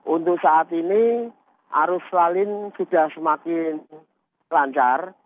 untuk saat ini arus lalin sudah semakin lancar